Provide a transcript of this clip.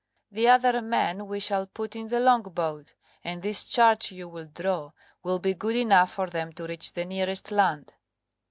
The other men we shall put in the longboat, and this chart you will draw will be good enough for them to reach the nearest land."